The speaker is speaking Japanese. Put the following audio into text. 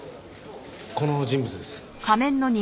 この人物です。